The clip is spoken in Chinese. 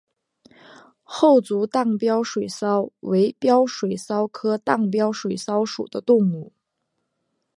厚足荡镖水蚤为镖水蚤科荡镖水蚤属的动物。